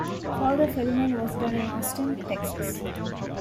Further filming was done in Austin, Texas.